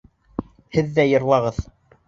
Һеҙ ҙә йырлағыҙ.